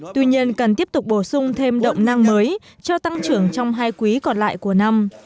tuy nhiên cần tiếp tục bổ sung thêm động năng mới cho tăng trưởng trong hai quý còn lại của năm